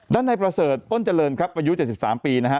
ด้านในประเสริฐอ้นเจริญครับอายุ๗๓ปีนะฮะ